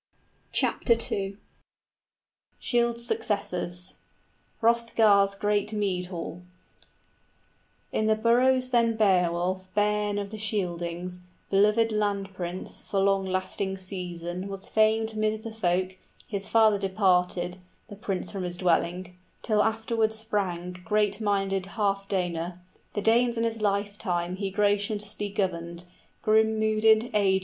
{Beowulf succeeds his father Scyld} In the boroughs then Beowulf, bairn of the Scyldings, Belovèd land prince, for long lasting season Was famed mid the folk (his father departed, The prince from his dwelling), till afterward sprang 5 Great minded Healfdene; the Danes in his lifetime He graciously governed, grim mooded, agèd.